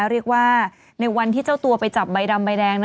เรียกว่าในวันที่เจ้าตัวไปจับใบดำใบแดง